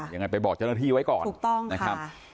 ยังไงไปบอกเจ้าหน้าที่ไว้ก่อนถูกต้องนะครับ